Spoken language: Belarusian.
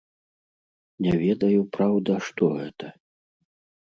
Не ведаю, праўда, што гэта.